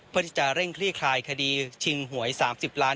เพื่อที่จะเร่งคลี่คลายคดีชิงหวย๓๐ล้าน